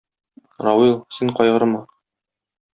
Равил, син кайгырма.